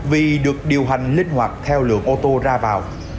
vì được điều hành linh hoạt theo lượng ô tô ra vào